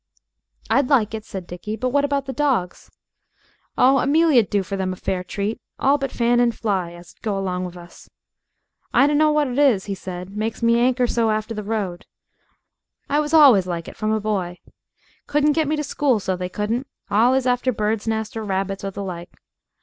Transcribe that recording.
"I'd like it," said Dickie, "but what about the dogs?" "Oh! Amelia'd do for them a fair treat, all but Fan and Fly, as 'ud go along of us. I dunno what it is," he said, "makes me 'anker so after the road. I was always like it from a boy. Couldn't get me to school, so they couldn't allus after birds' nests or rabbits or the like.